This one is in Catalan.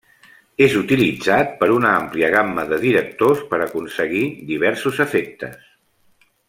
És utilitzat per una àmplia gamma de directors per aconseguir diversos efectes.